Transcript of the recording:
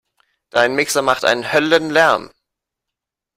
Dein Mixer macht einen Höllenlärm!